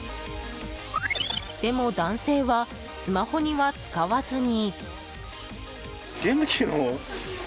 でも、男性はスマホには使わずに。